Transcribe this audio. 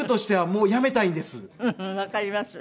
わかります。